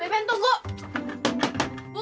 jangan lupa bu